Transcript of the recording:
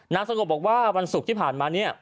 นางสงบบอกว่าวันศุกร์ที่ผ่านมา